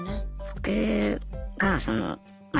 僕がそのまあ